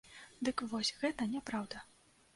Дык вось, гэта няпраўда.